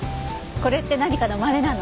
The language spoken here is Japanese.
これって何かのまねなの？